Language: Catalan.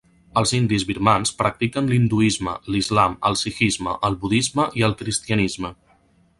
Els indis birmans practiquen l'hinduisme, l'islam, el sikhisme, el budisme i el cristianisme.